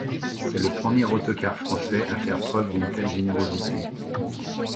C'est le premier autocar français à faire preuve d’une telle générosité.